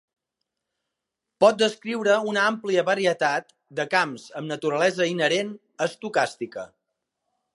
Pot descriure una àmplia varietat de camps amb una naturalesa inherent estocàstica.